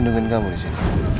papa mama pelukan